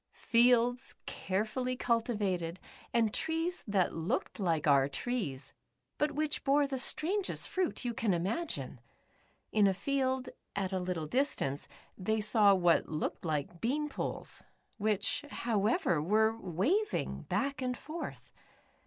Fields carefully culti vated, and trees that looked like our trees, but which bore the strangest fruit you can imagine. In a field, at a little distance, they saw what looked like bean poles, which, however, were waving back and forth.